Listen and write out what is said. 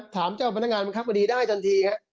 ถามเจ้าพนักงานบังคับบดีได้ทันทีครับ